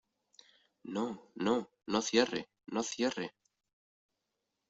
no, no , no cierre , no cierre.